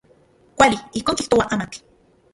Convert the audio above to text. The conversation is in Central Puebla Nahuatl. Kuali, ijkon kijtoa amatl.